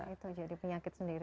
itu jadi penyakit sendiri